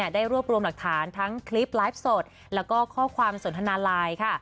ได้รวบรวมหลักฐานทั้งคลิปไลฟ์สดแล้วก็ข้อความสนทนาไลน์ค่ะ